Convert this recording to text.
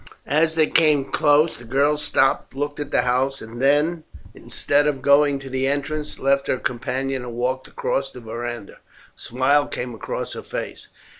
As they came close the girl stopped and looked at the house, and then, instead of going to the entrance, left her companion and walked across to the verandah. A smile came across her face.